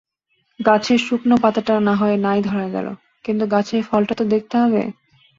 গাছের শুকনো পাতাটা নাহয় নাই ধরা গেল, কিন্তু গাছের ফলটা তো দেখতে হবে।